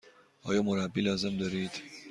آیا مربی لازم دارید؟